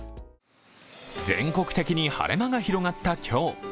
全国的に晴れ間が広がった今日。